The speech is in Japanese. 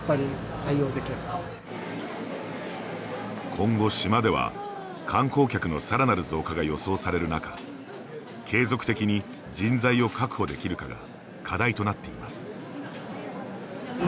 今後、島では、観光客のさらなる増加が予想される中継続的に人材を確保できるかが課題となっています。